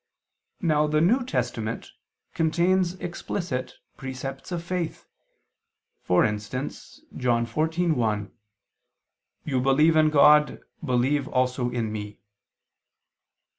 Now the New Testament contains explicit precepts of faith, for instance John 14:1: "You believe in God; believe also in Me."